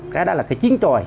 cái đó là cái chiến tròi